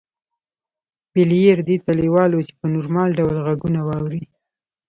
بلییر دې ته لېوال و چې په نورمال ډول غږونه واوري